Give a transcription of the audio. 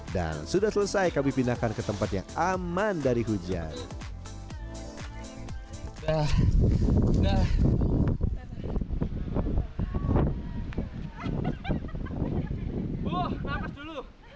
dan sudah selesai kami pindahkan ke tempat yang aman dari hujan